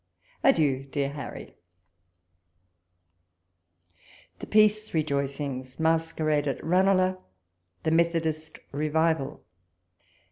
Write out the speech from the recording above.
Adieu, dear Harry ! THE PEACE REJOICINGS— A MASQUERADE AT liANELAGH—THE METHODIST REVIVAL.